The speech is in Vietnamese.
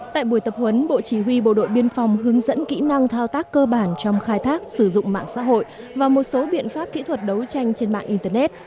tại buổi tập huấn bộ chỉ huy bộ đội biên phòng hướng dẫn kỹ năng thao tác cơ bản trong khai thác sử dụng mạng xã hội và một số biện pháp kỹ thuật đấu tranh trên mạng internet